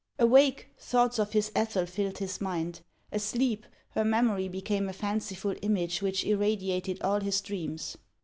Awake, thoughts of his Ethel filled his mind ; asleep, her memory became a fanciful image which irradiated all his dreams.